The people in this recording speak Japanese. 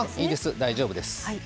大丈夫です。